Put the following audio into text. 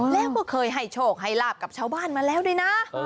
แล้วก็เคยให้โชคให้ลาบกับชาวบ้านมาแล้วด้วยนะ